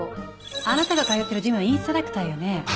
あなたが通ってるジムのインストラクターよね。